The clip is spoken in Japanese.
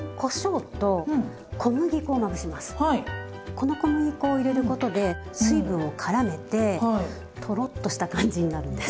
この小麦粉を入れることで水分をからめてとろっとした感じになるんです。